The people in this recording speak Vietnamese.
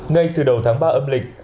ngay từ đầu tháng ba âm lịch